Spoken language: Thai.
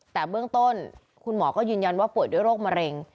แต่เบื้องต้นคุณหมอก็ยืนยันว่าป่วยด้วยโรคมะเร็ง